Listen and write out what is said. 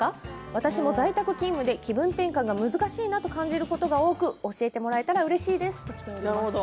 私も在宅勤務で気分転換が難しいなと感じることが多く教えてもらえたらうれしいですときています。